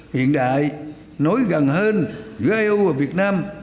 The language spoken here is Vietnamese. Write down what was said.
hiện đại nối gần hơn giữa eu và việt nam